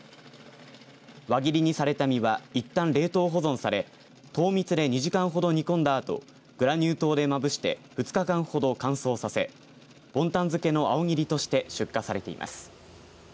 輪切りにされた実はいったん冷凍保存され糖蜜で２時間ほど煮込んだあとグラニュー糖でまぶして２日間ほど乾燥させ、ボンタン漬けの青切として出荷されています。